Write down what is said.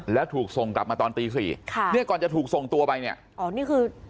แล้วถูกส่งกลับมาตอนตีสี่ค่ะเนี่ยก่อนจะถูกส่งตัวไปเนี่ยอ๋อนี่คือ